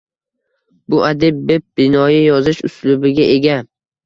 Bu adib bip-binoyi yozish uslubiga ega.